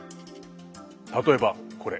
例えばこれ。